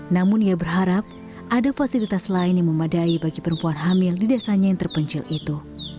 namun ia berharap ada fasilitas lain yang memadai bagi perempuan hamil di desanya yang terpencil itu